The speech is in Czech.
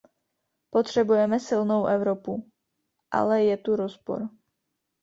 Potřebujeme silnou Evropu, ale je tu rozpor.